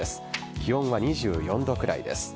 気温は２４度くらいです。